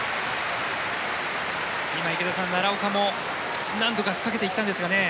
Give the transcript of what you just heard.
今、池田さん奈良岡も何度か仕掛けていったんですけどね。